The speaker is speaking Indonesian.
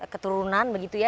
keturunan begitu ya